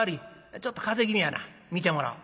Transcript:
ちょっと風邪気味やな診てもらおう。